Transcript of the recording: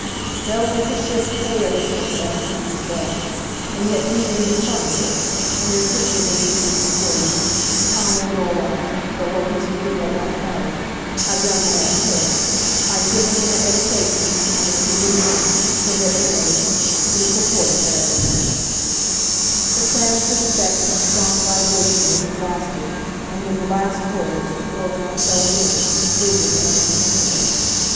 "They'll make a shift to pay everything, Bessy," he said, "and yet leave you your furniture; and your sisters'll do something for you—and Tom'll grow up—though what he's to be I don't know—I've done what I could—I've given him a eddication—and there's the little wench, she'll get married—but it's a poor tale——" The sanative effect of the strong vibration was exhausted, and with the last words the poor man fell again, rigid and insensible.